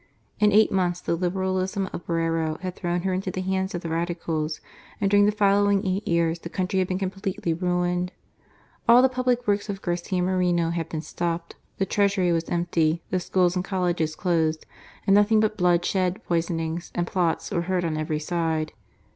In eight months the Liberalism of Borrero had thrown her into the hands of the Radicals ; and during the following eight years the country had been completely ruined. All the public works of Garcia Moreno had been stopped ; the Treasury was empty ; the schools and colleges closed ; and nothing but bloodshed, poisonings, and plots were heard of on every side.